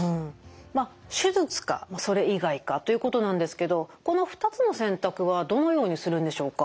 まあ手術かそれ以外かということなんですけどこの２つの選択はどのようにするんでしょうか？